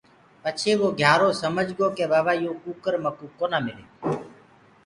پڇي وو گھيارو سمج گو ڪي بآبآ يو ڪُڪَر مڪٚو ڪونآ مِلي۔